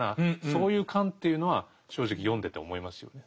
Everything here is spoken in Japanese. そういう感というのは正直読んでて思いますよね。